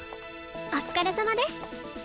お疲れさまです